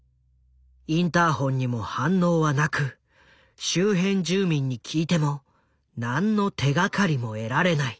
インターホンにも反応はなく周辺住民に聞いても何の手がかりも得られない。